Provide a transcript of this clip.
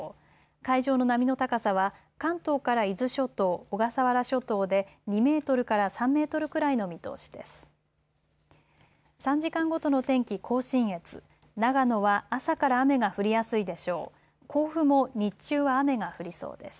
海上の波の高さは関東から伊豆諸島、小笠原諸島で２メートルから３メートルくらいの見通しです。